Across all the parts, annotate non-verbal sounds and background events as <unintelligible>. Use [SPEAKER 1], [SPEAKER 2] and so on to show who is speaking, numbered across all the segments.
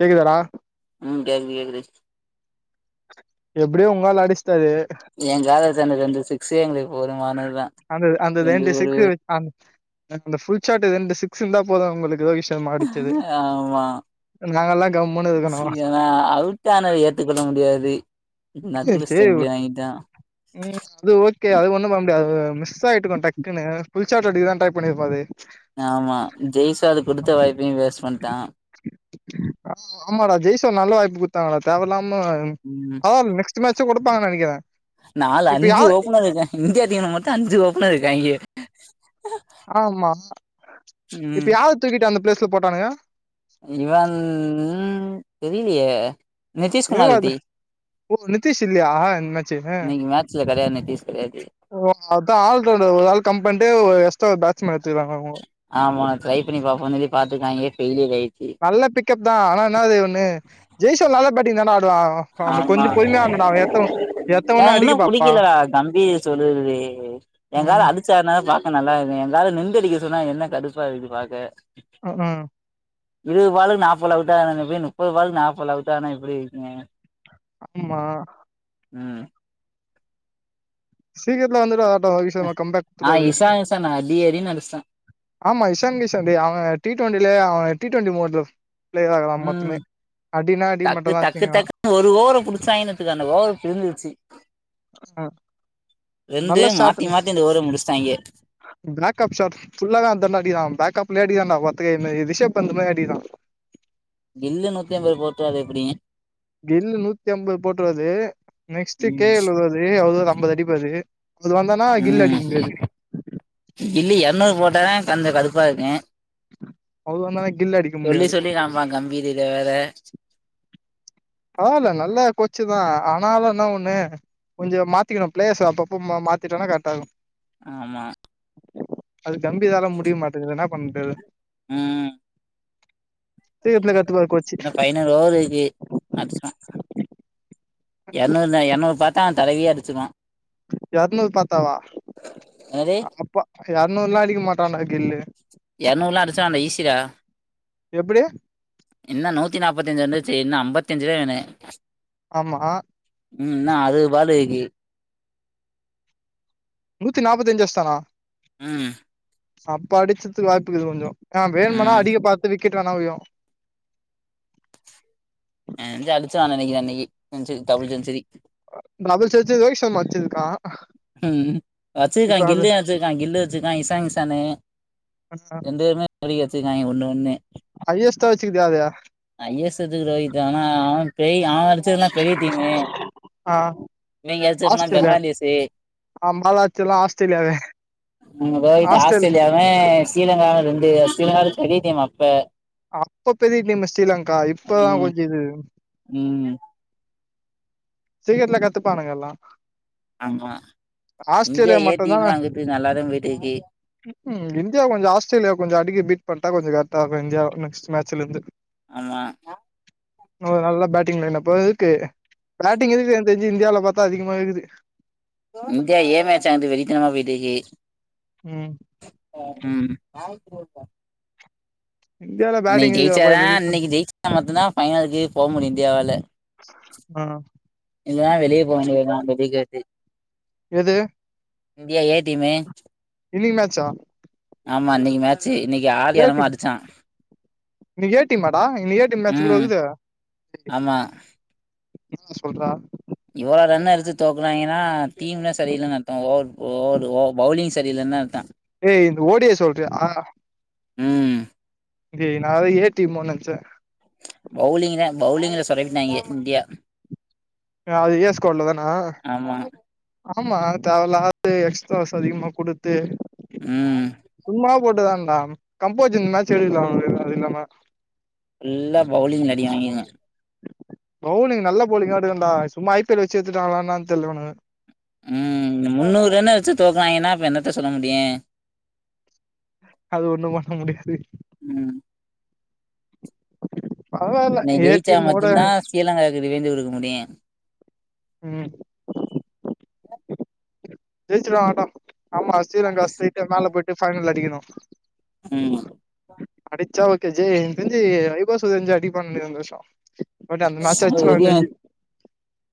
[SPEAKER 1] கேக்குதாடா
[SPEAKER 2] உம் கேக்குது கேக்குது.
[SPEAKER 1] எப்படியே உங்களால அடிச்ச
[SPEAKER 2] என் காலத்தான ரந்து சிக்ஸி எங்களுக்கு போதுமானது
[SPEAKER 1] அந்த அந்த ரெண்டு சிக்கு இந்த புபல் சா்து சிக்ஸ் இருந்த போத உளுக்கு ஏதோ விஷயம்
[SPEAKER 2] ஆமா
[SPEAKER 1] நாங்கல்லா கம்முன்னு இருக்கணு
[SPEAKER 2] சரியனா அழட்டானவை ஏத்துக்கொள்ள முடியாது நடுவுல
[SPEAKER 1] ச்ச
[SPEAKER 2] ஸ்டெம்பிலி வாங்கிட்டா
[SPEAKER 1] உம் அது ஒ ஓே அது ஒும் பண்ண முடியாது மிஸ் ச ஆட்டுக்க கொண்ட டக்குனுு புபல் ச்ட் அட்டுக்கு தான் டை பண்ணியிருாது
[SPEAKER 2] ஆமா ஜெய் சாது குடுத்த வாய்ப்பையும் வேஸ்ட் பண்ணிட்டான்
[SPEAKER 1] ஆ ஆமாடா ஜெய்ஷோ நல்ல வாய்ப்பு குடுத்தாங்கடா தேவலாம ஆமா நெஸ்ட் மேட்சச்சும்டுப்பாங்க நினக்கேன்
[SPEAKER 2] நாலுஞ்சு ஓப்பனர் இருக்கேன் இந்தியா டீம் மட்டும் அஞ்சு ஓபனர்ர் இருக்கு கய்கே
[SPEAKER 1] ஆமா
[SPEAKER 2] ம்
[SPEAKER 1] இப்பயாவது தூக்கட்டு அந்த பிளேஸ் போட்டானுங்க
[SPEAKER 2] இவன் உ தெரியலையே
[SPEAKER 1] ஓ நிதிீஷ் இல்லையாஹ இந்த மாச்சி அான்
[SPEAKER 2] இன்னைக்கு மேட்ச்ல கெடையாது நிதிஷ் கெடையாது
[SPEAKER 1] ஆர் ஒரு ஆள் கம்பண்ட பாத் மா <unintelligible>
[SPEAKER 2] ரை பண்ணி பாோன்ன பாத்துக்க ஏ யர் ஆய
[SPEAKER 1] வல்ல பி தான் ஆனனது ஒ ஜெய சொல்ல்ல பாட்டி
[SPEAKER 2] ஆமா என
[SPEAKER 1] எத்தவொன்னே அடிக்க
[SPEAKER 2] இன்னும்
[SPEAKER 1] பாப்பா
[SPEAKER 2] புிடிக்கல கம்பீர் சொல்லுறது எங்கார
[SPEAKER 1] ம்
[SPEAKER 2] அழச்சாருன பா நல்லாிருது எங்கல நிந்த அடிக்க சொன்னா என்ன கடுப்பா இருது பாக்க
[SPEAKER 1] ஆஹ் ஆஹ்
[SPEAKER 2] இருபது பாலுக்கு நாது அவுட்டா தானப்ப முப்பது பாலுக்கு நாற்பது அவுட்டாானான் எப்படி இருக்கேன்
[SPEAKER 1] ஆமா
[SPEAKER 2] உஹம்
[SPEAKER 1] சக்கத்ல வந்த கம்பக்
[SPEAKER 2] ஆ
[SPEAKER 1] கொடுத்துது
[SPEAKER 2] இஷான் இஷான் அடி அடின்னு அடிச்ட்டா
[SPEAKER 1] ஆமா இசான்சி அவ டி டுவெண்ட அவ டி ண்டி மலம் பிதாம்
[SPEAKER 2] ம்
[SPEAKER 1] மத்துமே அடினா அடி மட்டும்தான் வச்சீங்களா
[SPEAKER 2] புிடிச்சா இனத்துக்கு அந்த ஓ பிரிந்துடுச்சு
[SPEAKER 1] நல்ல ்
[SPEAKER 2] மாத்தி மாத்தி இந்த ஓவர முடிச்ட்டாங்க
[SPEAKER 1] பேக்கப்்ட்ுல்ல தான்ாடிான் பேப்ையாடிான் இதே மா ரிஷப் பந்த் மாரி அடிக்கனும்
[SPEAKER 2] கில்லு நூத்தி ஐம்பது போட்டா அது எப்டிங்க
[SPEAKER 1] கெயில் நூத்திஅம்பது போட்டுரூவாரு நெக்ஸ்ட்
[SPEAKER 2] ம்
[SPEAKER 1] கேஎல் எழுவது அம்பது அடிப்பாரு அவரு வந்தானா கில்லு
[SPEAKER 2] ம்
[SPEAKER 1] அடிக்க முடியாது
[SPEAKER 2] அதான் கொஞ்ச கடுப்பா இருக்கேன்
[SPEAKER 1] அவ்ளோ நேர கில் அடிக்க
[SPEAKER 2] சொல்லி
[SPEAKER 1] முடியாது
[SPEAKER 2] சொல்லி நா பாக்கன் நம்பிர்து வேற
[SPEAKER 1] பரவால்ல நல்ல கோச்சு தா ஆனாலு என்ன ஒன்னு கொஞ்சோ மாத்திக்கணு பிளேயர்ஸ் அப்பப்போ மாத்திட்டோனா கரெக்ட்டா இருக்கு
[SPEAKER 2] ஆமா
[SPEAKER 1] அது கம்பிதால முடிய மாட்டேங்கது என்ன பண்றது
[SPEAKER 2] ம்
[SPEAKER 1] சீக்கிரத்துல கத்துப்பாரு கோச்சு
[SPEAKER 2] இன்னு பைனல் ஓவர் இருக்கி அடிச்சிட்டா என்னென்ன என்னோ பாத் தா தலையிலியே அடிச்சுக்குவா
[SPEAKER 1] எரநூறு பாத்தாவா
[SPEAKER 2] என்னது
[SPEAKER 1] அப்ப எரநூறு நாளைக்கு மட் தான கில்லு
[SPEAKER 2] எர்நூரெல்லா அடிச்சா அந்த ஈசிடா
[SPEAKER 1] எப்டி
[SPEAKER 2] இன்னு நூத்தி நாப்பத்தி அஞ்சி இருந்துச்சி இன்னு ஐம்பத் தஞ்சி தா வேனு
[SPEAKER 1] ஆமா
[SPEAKER 2] ம் இன்ன அது பாட்டுக்கு ஏ
[SPEAKER 1] நூத்தி நாப்பத்தஞ் அச்சிட்டானா
[SPEAKER 2] ம்
[SPEAKER 1] அப்ப அடிச்சதுக்கு வாய்ப்புக்குது கொஞ்சோ ஆ வேணும்னா
[SPEAKER 2] ம்
[SPEAKER 1] அதிக பாத்து வி கிட்டு வேனா வையு
[SPEAKER 2] எனக்கு தெரிஞ்சி அடிச்சா நெனைக்கிறே இன்னைக்கு century double century
[SPEAKER 1] double century Rohit Sharma அடிச்சிருக்கா
[SPEAKER 2] ம் வச்சிருக்கா
[SPEAKER 1] இப்ப அது
[SPEAKER 2] கில்லு தா வச்சிருக்கா கில்லு வச்சி நைஸ் சாங்ஸ் சானே எந்தருமே <unintelligible> வெங்காயோ ஒன்னே ஒன்னு
[SPEAKER 1] ஹையஸ்டா வச்சுக்குது அது
[SPEAKER 2] ஐஏஸ்த்து ரோகித்தா ஆனா அவெ பெரிய அவெ அடிச்சதெல்லா பெரிய டீமே
[SPEAKER 1] ஆ
[SPEAKER 2] இவிங்கடிச்சப்பனா
[SPEAKER 1] ஆஸ்திரேலியா
[SPEAKER 2] பெங்காலிஸ் து
[SPEAKER 1] ஆ பால் அடிச்சதெல்லா ஆஸ்திரேலியாவே
[SPEAKER 2] போய்ட்டு
[SPEAKER 1] ஆஸ்திரேலியா
[SPEAKER 2] ஆஸ்திரேலியாவே ஸ்ரீலங்காவ ரெண்டு ஸ்ரீலங்கா பெரிய டீமா இப்ப
[SPEAKER 1] அப்ப பெரிய டீம் ஸ்ரீலங்கா இப்ப தா
[SPEAKER 2] ம்
[SPEAKER 1] கொஞ்சோ இது
[SPEAKER 2] ம்
[SPEAKER 1] சீக்கிரத்துல கத்துப்பானுங்க எல்லா
[SPEAKER 2] ஆமா இந்தியா
[SPEAKER 1] ஆஸ்திரேலியா
[SPEAKER 2] ஏ
[SPEAKER 1] மட்டுந்தா
[SPEAKER 2] டீமு அங்கட்டு நல்லாதா போய்ட்டுக்கி
[SPEAKER 1] ம் இந்தியா கொஞ்சோ ஆஸ்திரேலியா கொஞ்சோ அடிக்க பீட் பண்ணிட்டா கொஞ்சோ கரட்டா இருக்கு இந்தியா நெக்ஸ்ட் மேட்ச்லருந்து
[SPEAKER 2] ஆமா
[SPEAKER 1] <unintelligible> நல்லா பேட்டிங்ல இன்னபேக்கு பேட்டிங் எதுக்கு எனக்கு தெரிஞ்சி இந்தியாவுல பாத்தா அதிகமா இருக்குது
[SPEAKER 2] இந்தியா ஏ மேட்சானது வெறித்தனமா போயிட்ருக்கி
[SPEAKER 1] ம்
[SPEAKER 2] ம் சார்ஜ் போட்ட
[SPEAKER 1] இந்தியால
[SPEAKER 2] இன்னைக்கு
[SPEAKER 1] பேட்டிங் இருக்குதாப்பா
[SPEAKER 2] ஜெயிச்சாதா
[SPEAKER 1] வெறித்தன
[SPEAKER 2] இன்னைக்கு ஜெயிச்சா மட்டுந்தா ஃபைனலுக்கு போக முடியு இந்தியாவால
[SPEAKER 1] ஆ
[SPEAKER 2] இல்லனா வெளியே போ வேண்டியதா ஜெயிக்காட்டி
[SPEAKER 1] எது
[SPEAKER 2] இந்தியா ஏ டீமு
[SPEAKER 1] இன்னிக்கு மேட்சா
[SPEAKER 2] ஆமா இன்னிக்கு மே
[SPEAKER 1] ஏ டீம் இன்னிக்கு ஏ டீமா டா இன்னிக் ஏ டீம் மேட்ச் உள்ள
[SPEAKER 2] ம்
[SPEAKER 1] இர்க்குது
[SPEAKER 2] ஆமா
[SPEAKER 1] ஆ சொல்றா
[SPEAKER 2] இவ்வள ரன் எடுத்து தோக்கறாய்ங்கனா டீம்லா சரியில்லன் அர்த்தோ ஓ ஓ பவுலிங் சரியில்லனுதா அர்த்த
[SPEAKER 1] ஏய் இந்த ஓ டி ஐ சொல்றியா
[SPEAKER 2] ம்
[SPEAKER 1] ஏ நா ஏதோ ஏ டீமோ நெனச்ச
[SPEAKER 2] பவுலிங்ல பவுலிங்ல சொதப்பிட்டாங்க இன்டியா
[SPEAKER 1] அது ஏ ஸ்கோர்ல தானா
[SPEAKER 2] ஆமா
[SPEAKER 1] ஆமா தேவைல்லாது எக்ஸ்ட்ராஸ் அதிகமா குடுத்து
[SPEAKER 2] ம்
[SPEAKER 1] சும்மா போட்டுதான்டா கம்போஜ் இந்த மேட்ச் எடுக்ல அது அதில்லாம
[SPEAKER 2] எல்லா பவுலிங்ல அடி வாங்கியங்க
[SPEAKER 1] பவுலிங் நல்ல பவ்லிங்கா எடுக்கனுண்டா சும்மா ஐ பி எல் ல வச்சு எத்துட்டாங்களா என்னான் தெரில இவனுங்க
[SPEAKER 2] ம் முன்னூறு ரன் அடிச்சு தோக்கறாய்ங்கனா அப்ப என்னத்த சொல்ல முடியு
[SPEAKER 1] அது ஒண்ணு பண்ண முடியாது
[SPEAKER 2] ம்
[SPEAKER 1] பரவால்ல
[SPEAKER 2] இன்னைக்
[SPEAKER 1] ஏ
[SPEAKER 2] ஜெயிச்சா
[SPEAKER 1] டீமோட
[SPEAKER 2] மட்டுந்தா ஸ்ரீலங்காவுக்கு ரிவெஞ்சு குடுக்க முடியு
[SPEAKER 1] ம் ஜெயிச்சுடுவாங்கடா ஆமா ஸ்ரீலங்கா ஸ்ட்ரெய்ட்டா மேல போயிட்டு ஃபைனல் அடிக்கணு
[SPEAKER 2] ம்
[SPEAKER 1] ச ஓகே ஜி எனக்கு தெரிஞ்சு வைபவ் சூவன்சு அடிப்பா நெனைக்க இந்த வருஷ
[SPEAKER 2] <unintelligible>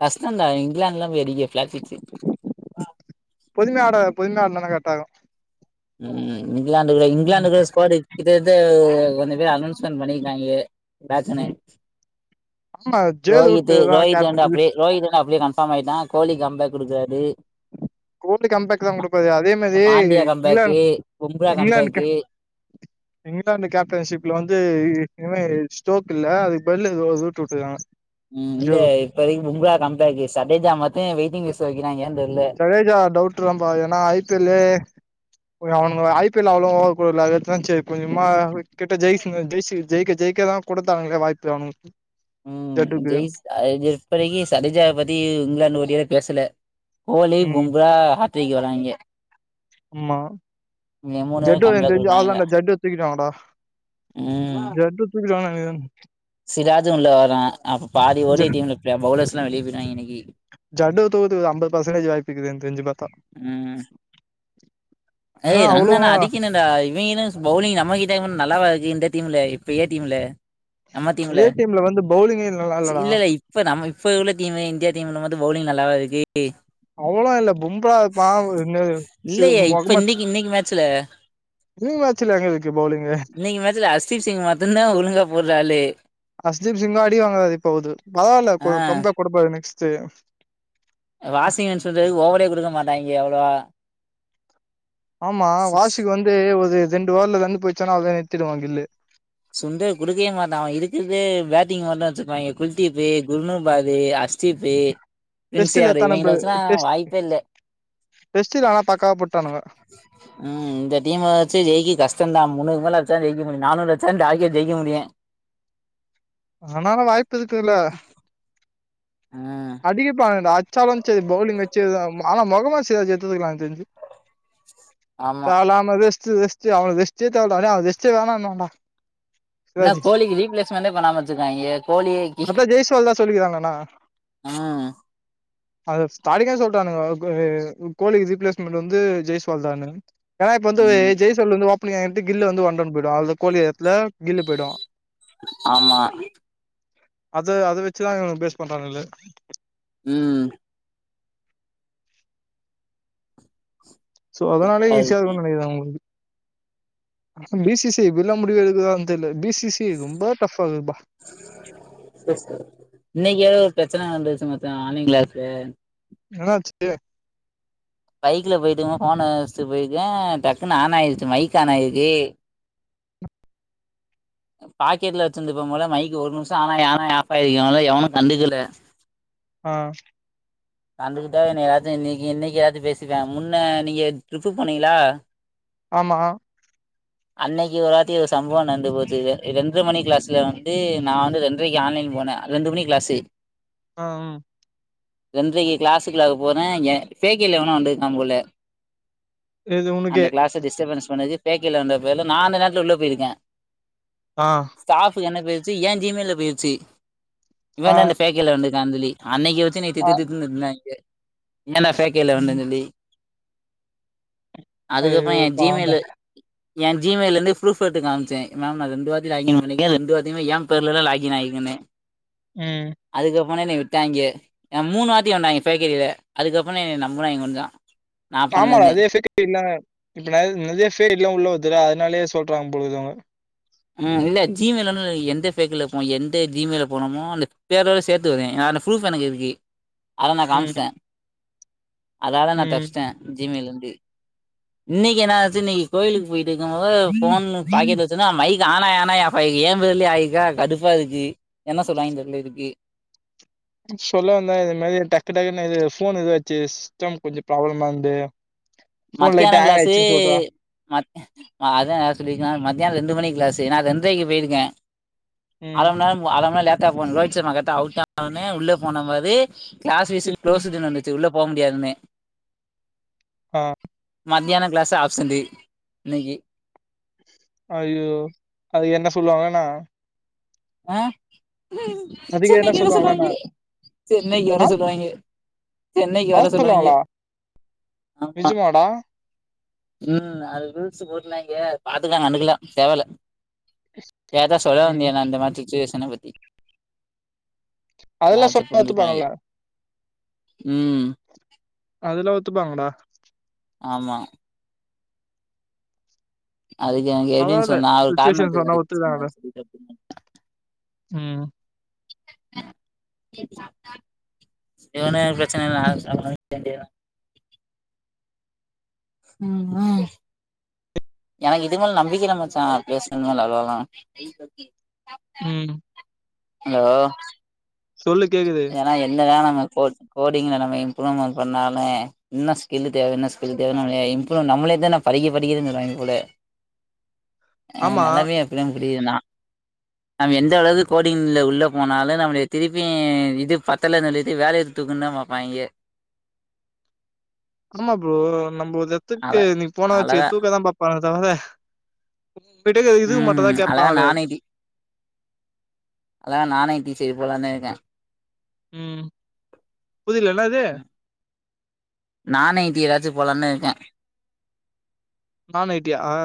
[SPEAKER 2] கஷ்டண்டா இங்லேன்ட்லா போய் அடிக்க ஃப்ளேட் பிச்சு
[SPEAKER 1] பொதுமையா ஆடனு பொதுமையா ஆடுனானா கரெக்டா இருக்கு
[SPEAKER 2] ம் இங்லாந்துகுள இங்லாந்துகுள ஸ்கோரு இது அது கொஞ்ச பேர் அனன்ஸ்மெண்ட் பண்ணிருக்காங்கே பேச்சனே
[SPEAKER 1] ம் ஆமா ஜெயரூட்
[SPEAKER 2] ரோஹித்து
[SPEAKER 1] தா
[SPEAKER 2] ரோஹித் வேண்டா
[SPEAKER 1] கேப்டன்
[SPEAKER 2] அப்டியே ரோஹித் அப்டியே கன்ஃபார்ம் ஆயிட்டா கோழி கம் பேக் குடுக்குறாரு
[SPEAKER 1] கோல்டு கம் பேக்தா குடுப்பாரு அதே மாதி
[SPEAKER 2] பாண்டியா
[SPEAKER 1] இங்லேன்
[SPEAKER 2] கம்பேக்கு பும்ரா
[SPEAKER 1] இங்லேன்ட்க்கு
[SPEAKER 2] கம்பேக்கு
[SPEAKER 1] இங்லேந்து கேப்டன்ஷிப்ல வந்து இவ அ ஸ்டோக் இல்ல அதுக்கு பதிலு ஜூட் விட்டுறுக்காங்க
[SPEAKER 2] உம் இல்ல இப்பதிக்கு முங்க கம்பேக்கு சட்டேஜா மத்த வெயிட்டிங் ஸ் ஓகே
[SPEAKER 1] ஜடேஜா டவுட்தாம்பா ஏன்னா ஐபியெல்யே அவனுங்க ஐ பி எல் அவ்வளவு ஓட சரி கொஞ்சமா கிட்ட ஜெயிஜ் ஜெய்ஜி ஜெயிக்க ஜெயிக்கதா கொடுத்தானங்களே வாய்ப்பு அவனுக்கு
[SPEAKER 2] உம்
[SPEAKER 1] ஜட்டுக்கு
[SPEAKER 2] ஜெய்ஸ் ஆஹ் இப்படிக்கு சதேஜா பத்தி இங்கிலாந்து வீடியோல பேசல
[SPEAKER 1] ம்
[SPEAKER 2] ஓலிவும்ராஹ் திக்கு வராய்ங்க
[SPEAKER 1] ஆமா
[SPEAKER 2] இவங்க மூணு பேரு
[SPEAKER 1] ஜட்டு எனக்கு
[SPEAKER 2] கம்பேக்
[SPEAKER 1] தெரிஞ்சு
[SPEAKER 2] குடுக்குறாய்ங்கல்ல
[SPEAKER 1] அவ்வளோதான்டா ஜட்டுவ தூக்கிடுவாங்கடா ஜட்டு தூக்கிடுவாங்க உஹ்ம்
[SPEAKER 2] சிராஜூ உள்ள வரா அப்ப பாதி
[SPEAKER 1] ஜ
[SPEAKER 2] ஒடிடீம்லிள ப பவுள்ளர்ஸ் டுல வெளிய போயிட்டாய்ங்க இன்னைக்கு
[SPEAKER 1] ஜட்டு தொகுத்து ஐம்பது பர்சன்டேஜ் வாய்ப்பு இருக்குது எனக்கு தெரிஞ்சு பாத்த <inaudible>
[SPEAKER 2] ம் ஏய் ரண்ணுனா அடிக்கணுன்டா இவங்கென பவுலிங் நம்மகிட்ட நல்லாவா இருக்கு இந்த டீம்ல பெரிய டீம்ல
[SPEAKER 1] இதே டீம்ல வந்து பவுலிங்கே நல்லா இல்லடா
[SPEAKER 2] இப்பவுள்ள டீம்மு இந்தியடீம்ல வந்து பவுலிங் நல்லாவா இருக்கு
[SPEAKER 1] அவ்ளோ இல்ல பும்ரா பாவ் என்ன
[SPEAKER 2] இல்லையே
[SPEAKER 1] <unintelligible>
[SPEAKER 2] இப்ப இன்னைக்கு இன்னைக்கு மேட்சுல்ல
[SPEAKER 1] ரிங் மேட்சுல்ல எங்க இருக்கு பவுலிங்கு
[SPEAKER 2] இன்னைக்கு மேட்ச்ல அஸ்தீப் சிங் மட்டுந்தா ஒழுங்கா போடுறாளு
[SPEAKER 1] அஸ்தீப் சிங்க ஆடி வாங்கறாது இப்போகுது பரவாயில்ல க கம்பேக் கொடுப்பாரு நெக்ஸ்ட் சரி
[SPEAKER 2] வாஷிங்ன்ஸ் வந்து ஓவரே கொடுக்க மாட்டாய்ங்கே அவ்ளோவா
[SPEAKER 1] ஆமா
[SPEAKER 2] சு
[SPEAKER 1] வாசிக்கு வந்து ஒது இ ரெண்டு வார்த்துல்ல தந்து போயிருச்சானா அத நிருத்திடுவா கில்லு
[SPEAKER 2] சுண்டர் குடுக்கவே மாட்டா அவ இருக்கிறதே பேட்டிங் மட்டு வச்சிருப்பாய்ங்க குல்தீப் குர்நூர்பாது அஷ் குர்ஜுப்பு ப்பிரின்ஸ்
[SPEAKER 1] டெஸ்ட்ல
[SPEAKER 2] யாட்ர்டு
[SPEAKER 1] எத்தன ப
[SPEAKER 2] இவுங்கள வச்சுளா
[SPEAKER 1] டெஸ்ட்
[SPEAKER 2] வாய்ப்பே இல்
[SPEAKER 1] டெஸ்ட்ல ஆனா பக்காவா போட்டானுங்க
[SPEAKER 2] உம் இந்த டீம வச்சு ஜெய்கிறது கஷ்டந்தா <unintelligible> மேல அடிச்சா ஜெயிக்க முடியு நானூற் அடிச்சா தா டார்கெட் ஜெயிக்க முடியு
[SPEAKER 1] ஆனாலு வாய்ப் இப்ப இருக்குதுல
[SPEAKER 2] ம்
[SPEAKER 1] <unintelligible> சவண் செரி பவுலிங் வெச்சு ஆனா முகமது சிராஜ் எடுத்ருந்துருக்கலாம் எனக்கு தெரிஞ்சு
[SPEAKER 2] ஆமா
[SPEAKER 1] <unintelligible> அது வெஸ்ட்டு அவுனுக்கு வெஸ்ட்டே தேவல்லடா அவன் வெஸ்டே வேணான்வான்டா
[SPEAKER 2] இன்னோ கோலிக்கு ரீப்ளேஸ்மெண்டே பண்ணாம வச்சிருக்காங்கே கோலியே க்கி
[SPEAKER 1] அதா ஜெய்ஸ்வால் தா
[SPEAKER 2] ஆஹ்
[SPEAKER 1] அத ஸ்டார்டிங்கே சொல்லி டானுங்க கோலிக் ரீப்ளேஸ்மெண்ட் வந்து ஜெயஸ்வால் தானு ஏன்னா இப்ப வந்து
[SPEAKER 2] ம்
[SPEAKER 1] ஜெய்சல்ல வந்து இப்ப ஏன்கிட்ட கில்ல வந்து <unintelligible> விடாத கோலி எடத்துல கீழ போய்டூம்
[SPEAKER 2] ஆமா
[SPEAKER 1] அத அதை வச்சுதான் இவனுங்க பேஸ் பண்றாங்களே
[SPEAKER 2] உம்
[SPEAKER 1] சோ அதனாலே
[SPEAKER 2] அது
[SPEAKER 1] ஈசியா இருக்கும்னு நெனக்கிற அவ்ங்களுக்கு பிசிசி என்ன முடிவு எடுக்குறாங்கனு தெரில பிசி பி சி ரொம்ப டஃபா இருக்குதுபா
[SPEAKER 2] இன்னைக்கு ஏதோ ஒரு பிரச்சன நடந்துச்சு மச்சான் மானிங்ளேந்து
[SPEAKER 1] என்னடா ஆச்சு
[SPEAKER 2] பைக்ல போய்ட்டுக்கும் போது ஃபோனை வச்ட்டு போய்ருக்கன் டக்குன்னு ஆன் ஆய்ருச்சு மைக் ஆன் ஆய்ருக்கு பாக்கெட்ல வச்சிருந்துருப்ப போல மைக்கு ஒரு நிமிஷம் ஆனாயி ஆனாயி ஆஃப் ஆயிருக்கு நல்லவேள எவனும் கண்டுக்கல
[SPEAKER 1] ஹாம்
[SPEAKER 2] கண்டுகிட்ட என்ன எதாச்சும் இன்னைக்கு இன்னைக்கு எதாச்சும் பேசிருப்பானுங்க முன்ன நீங்க ட்ரிப்பு போனீங்களா
[SPEAKER 1] ஆமா
[SPEAKER 2] அன்னைக்கு ஒரு ராத்திரி ஒரு சம்பவம் நடந்து போச்சுது ரெண்டர மணி கிளாஸ்ல வந்து நான் வந்து ரெண்ரைக்கு ஆன்லைன் போனேன் ரெண்டு மணி கிளாஸு
[SPEAKER 1] ஆஹ் உம்
[SPEAKER 2] ரெண்ரைக்கு கிளாஸுக்குள்ள போறேன் ஏன் ஃபேக் அய்டில எவனோ வந்துருக்கா போல
[SPEAKER 1] எது
[SPEAKER 2] அந்த
[SPEAKER 1] உனக்கே
[SPEAKER 2] கிளாஸ டிஸ்டபன்ஸ் பண்ணதுக் பேக்கில வந்த பேர்ல நா அந்த நேரத்துல உள்ள போய்ருக்கேன்
[SPEAKER 1] ஆ
[SPEAKER 2] ஸ்டாஃப் என்ன பேச ஏன் ஜீ மெயில்ல போய்டுச்சு
[SPEAKER 1] ஆ
[SPEAKER 2] இவன் தா அந்த ஃபேக் ஐய்டில வந்து காந்திலி அன்னைக்கு
[SPEAKER 1] ஆ
[SPEAKER 2] தித்து தித்துனாய்ங்க ஏன்னா சைக்கெள்ள
[SPEAKER 1] ம்
[SPEAKER 2] வந்தன் சொல்லி அதுக்கப்புறம்
[SPEAKER 1] ஐயோ
[SPEAKER 2] என்
[SPEAKER 1] பாவம்டா
[SPEAKER 2] ஜிமெயிலு என் ஜி மெயிலேருந்து ப்ருப் எத்து காமிச்சேன் மேம் நான் ரெண்டு வாட்டி லாகின் பண்ணிக்கேன் ரெண்டு வாட்டியுமே என் பேர்லதா லாக் இன் ஆகிறேக்கேனு
[SPEAKER 1] உம்
[SPEAKER 2] போனோனே விட்டாங்க மூணு வாத்தி வண்தாங்க பேக்கெரில அதுக்கப்புறம் என்ன நம்புனாங்க கொஞ்சோ
[SPEAKER 1] ஆமாடா அதே ஃபேக் ஐ டிலாம் இப்ப நெ நெறைய ஃபேக் ஐ டிலாம் உள்ள வருதுடா அதுனாலயே சொல்றாங்க போழுதுக்கு அவுங்க
[SPEAKER 2] உம் இல்ல ஜிமெயிலுனு எந்த ஃபேக்ல போனு எந்த ஜிமெயில் போனோமோ அந்த பேரோட சேத்து வருதே அந்த ப்ரூப் எனக்கு இருக்கு அத நா
[SPEAKER 1] ம்
[SPEAKER 2] காம்ஷ்டே அதால நான்
[SPEAKER 1] ம்
[SPEAKER 2] தப்ச்டேன் ஜிமெயிலுனு கு இன்னைக்கு என்னா ச்சு இன்னைக்கு கோயிலுக்கு போயிட்டு இருக்கும் போது ஃபோன் பாக்கெட் வச்சனா மைக் ஆனாயி ஆனாயி ஆஃப் ஆயிருக்கு என் <unintelligible> ஆயிருக்கா கடுப்பா இருக்கு என்ன சொல்லுவாங்கனு தெர்ல இதுக்கு
[SPEAKER 1] சொல்ல வந்தா இது மாதிரி டக்கு டக்குன்னு இது ஃபோன் இதாச்சு சிஸ்டம் கொஞ்சம் ப்ராப்ளமா இருந்தது
[SPEAKER 2] மத்தியானம் கிளாஸு ம அதான் நா சொல்லிருக்கனால மத்தியானம் ரெண்டு மணிக்கு க்லாசு நான் ரெண்டரைக்கு போயிருக்கேன் அர
[SPEAKER 1] ம்
[SPEAKER 2] மண் நேரம் அர மண் நேரம் லேட் டா போனா லோஹித் சர்மா கரெக்ட்டா அவுட்டானோனே உள்ள போனே பாரு கிளாஸ் விஸ்
[SPEAKER 1] ம்
[SPEAKER 2] க்ளோஸ்டுன்னு வந்துச்சு உள்ள போக முடியாதுன்னு
[SPEAKER 1] ஆஹ்
[SPEAKER 2] மத்யானம் க்ளாஸு ஆப்சன்டு இன்னக்கி
[SPEAKER 1] அய்யோ அது என்ன சொல்லுவாங்கன்னா
[SPEAKER 2] ஆஹ் ஹூம்
[SPEAKER 1] அதுக்கு என்ன
[SPEAKER 2] சென்னைக்கு வர சொல்வாய்ங்க
[SPEAKER 1] சொல்லுவாங்களான்னா
[SPEAKER 2] சென்னைக்கு வர
[SPEAKER 1] ஆ
[SPEAKER 2] சொல்வாய்ங்க சென்னைக்கு
[SPEAKER 1] அத
[SPEAKER 2] வர சொல்வாய்ங்க
[SPEAKER 1] சொல்லுவாங்களா
[SPEAKER 2] ஆமா
[SPEAKER 1] நிஜமாடா
[SPEAKER 2] உம் அது ருல்ஸு போட்ருந்தாய்க பாத்துக்கலா கண்டுக்கல தேவல்ல கேட்டா சொல்ல
[SPEAKER 1] ம்
[SPEAKER 2] வேண்டிதா இந்த மாரி சுச்சுவேஷன பத்தி
[SPEAKER 1] அதல்லாம்
[SPEAKER 2] யாராச்சு
[SPEAKER 1] சொன்னா
[SPEAKER 2] புரிஞ்சுக்குவாய்ங்க
[SPEAKER 1] ஒத்துப்பாங்களா
[SPEAKER 2] ம்
[SPEAKER 1] அதல்லாம் ஒத்துப்பாங்கடா
[SPEAKER 2] ஆமா அதுக்கு எனக்கு எப்டின்னு
[SPEAKER 1] பரவால்ல
[SPEAKER 2] சொன்னா அவர்
[SPEAKER 1] சுச்சுவேஷன்
[SPEAKER 2] காரணுத்துக்கு
[SPEAKER 1] சொன்னா
[SPEAKER 2] வந்துட்டு
[SPEAKER 1] ஒத்துக்குறாங்கடா
[SPEAKER 2] சொன்னாருன்னு சொல்லிட்டு <unintelligible>
[SPEAKER 1] ம்
[SPEAKER 2] இவனுக <unintelligible> ச்சனை <unintelligible> வேண்டியதா உம் ஆஹ் எனக்கு இதுக்குமேல நம்பிக்க இல்ல மச்சான் பேஸ்னது இல்ல அவ்ளோ தான்
[SPEAKER 1] உம்
[SPEAKER 2] ஹலோ
[SPEAKER 1] கேக்குது
[SPEAKER 2] ஏன்னா எந்த தா நம்ம கோ கோடிங்ல நம்ம இம்ப்ருமென் பண்ணாலுமே இன்னு ஸ்கில்லு தேவ இன்னு ஸ்கில்லு தேவன் நம்மள இம்ப்ரூவ் நம்மளே தா படிக்க படிக்க சொல்லுராங்க போலா அ
[SPEAKER 1] ஆமா
[SPEAKER 2] நெலம்யே அப்டி தா <unintelligible> நம் எந்த அளவு கோடிங்ல உள்ள போனாலு நம்முடைய திருப் <unintelligible> இது பத்தல சொல்லிட்டு வேலையுட்டு தூக்கதா பாப்பாங்க
[SPEAKER 1] ஆமா ப்ரோ நம் ஒரு எத்துக்கு நீ போன
[SPEAKER 2] அழகா
[SPEAKER 1] வச்சுக் தூக்க தா பாப்பாங்க <unintelligible> உங்ககிட்ட இதுவு மட்டு தா
[SPEAKER 2] ம் அழகா
[SPEAKER 1] கேப்பாங்களே
[SPEAKER 2] அதா நானே டீ சி எஸ் போலானு இருக்கே
[SPEAKER 1] உம் புரில இன்னா அது
[SPEAKER 2] நான் ஐடி எதாச்சு போலானு இருக்கே
[SPEAKER 1] நான் ஐட்டியா அ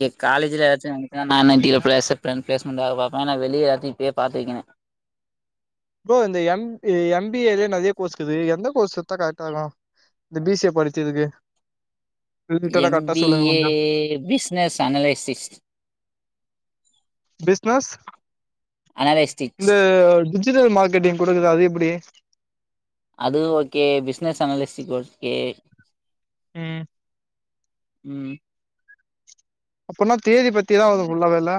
[SPEAKER 2] சேரி காலேஜ்ல யாச்சு <unintelligible> நான் ஐட்டில ப்ளேஸ் டெ ப்ளேஸ்மெண்ட் வேல பாப்ப ஆனா வெளிய யார்டியூ இப்யே பாத்து வெக்கனோ
[SPEAKER 1] ப்ரோ இந்த எம் எம் பி ஏ லயே நெறைய கோஸ்க்கீது எந்த கோஸ் எத்தா கரெட்டா இருக்கு இந்த பி சி ஏ படிச்சதுக்கு ரிலேட்டடா
[SPEAKER 2] எம்
[SPEAKER 1] கரெக்டா
[SPEAKER 2] பி
[SPEAKER 1] சொல்லுங்க
[SPEAKER 2] ஏ
[SPEAKER 1] கொஞ்சோ
[SPEAKER 2] பிசினஸ் அனாலிசிஸ்ட்
[SPEAKER 1] பிச்னஸ்
[SPEAKER 2] அனலைஸ்டிக்ஸ்
[SPEAKER 1] இந்த டிஜிட்டல் மார்க்கெட்டிங் கூட கிது அது எப்டி
[SPEAKER 2] ஏ
[SPEAKER 1] உம்
[SPEAKER 2] உம்
[SPEAKER 1] அப்பனா தேரி பத்திதா வரு ஃபுல்லாவே இல்ல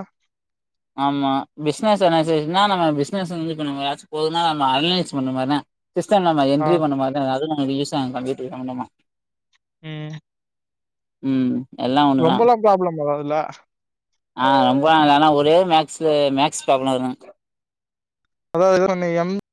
[SPEAKER 2] ஆமா பிச்னஸ் <unintelligible> பிஸ்னெஸ் அன்லி பண்ணுங்க <unintelligible> அனாலிஸ் பண்ண மாறிதா சிஸ்டம் நம்ப
[SPEAKER 1] ஆ
[SPEAKER 2] என்ட்ரி பண்ணுமே அது தா யூஸ் ஆகு கம்ப்யூட்டர் சம்பந்தமா
[SPEAKER 1] உம்
[SPEAKER 2] உம்
[SPEAKER 1] ரொம்பெலா ப்ராப்ளம் வராது ல
[SPEAKER 2] அ ரொம்பனா இல்ல ஒரே மேக்ஸு மேக்ஸு ப்ராப்ளம் வரு
[SPEAKER 1] அதாவ்து நம்ப எம்